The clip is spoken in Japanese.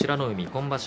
今場所